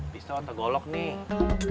pisau atau golok nih